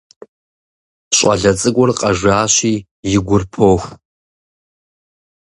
ЩӀалэ цӀыкӀур къэжащи, и гур поху.